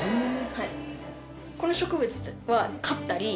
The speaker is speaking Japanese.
はい。